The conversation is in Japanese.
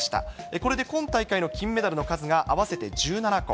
これで今大会の金メダルの数が合わせて１７個。